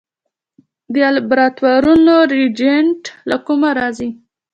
د لابراتوارونو ریجنټ له کومه راځي؟